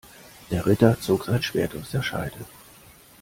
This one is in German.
Der Ritter zog sein Schwert aus der Scheide.